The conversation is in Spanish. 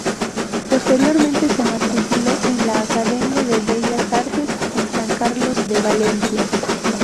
Posteriormente se matriculó en la Academia de Bellas Artes de San Carlos de Valencia.